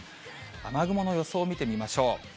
雨雲の予想を見てみましょう。